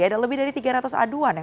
ada lebih dari tiga ratus aduan ya